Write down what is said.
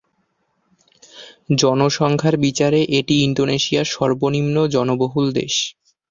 জনসংখ্যার বিচারে এটি ইন্দোনেশিয়ার সর্বনিম্ন জনবহুল প্রদেশ।